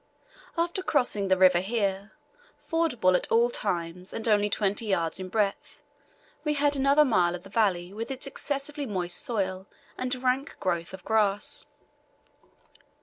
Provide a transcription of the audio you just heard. After crossing the river here, fordable at all times and only twenty yards in breadth, we had another mile of the valley with its excessively moist soil and rank growth of grass.